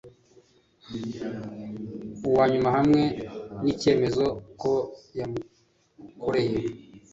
wa nyuma hamwe n icyemezo ko yamukoreye